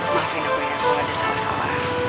maafin aku ini aku gak ada sama sama